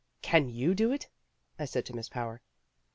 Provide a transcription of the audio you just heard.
"Can you do it?" I said to Miss Power.